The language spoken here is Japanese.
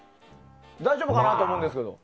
大丈夫かなと思うんですけど。